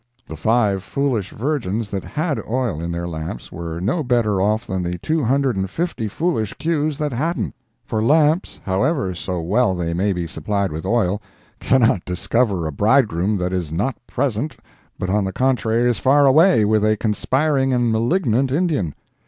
The five foolish virgins that had oil in their lamps were no better off than the two hundred and fifty foolish cues that hadn't, for lamps, howsoever well they may be supplied with oil, cannot discover a bridegroom that is not present but on the contrary is far away with a conspiring and malignant Indian.